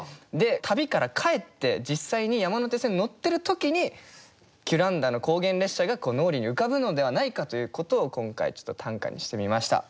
旅から帰って実際に山手線に乗ってる時にキュランダの高原列車が脳裏に浮かぶのではないかということを今回ちょっと短歌にしてみました。